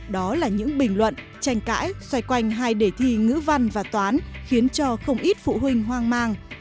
đó là những bình luận tranh cãi xoay quanh hai đề thi ngữ văn và toán khiến cho không ít phụ huynh hoang mang